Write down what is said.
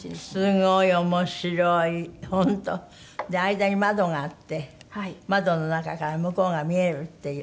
間に窓があって窓の中から向こうが見えるっていう。